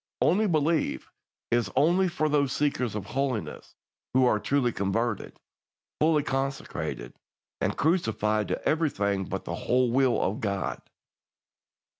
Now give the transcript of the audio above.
"'Only believe' is only for those seekers of holiness who are truly converted, fully consecrated, and crucified to everything but the whole will of God.